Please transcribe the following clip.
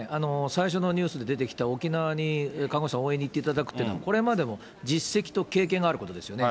最初のニュースで出てきた沖縄に看護師さん応援に行っていただくというのは、これまでも実績と経験があることですよね。